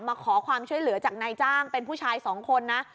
มาขอความช่วยเหลือจากนายจ้างเป็นผู้ชายสองคนนะ